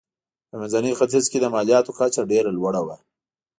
په منځني ختیځ کې د مالیاتو کچه ډېره لوړه وه.